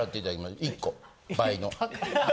１個倍の。